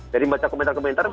dari baca komentar komentar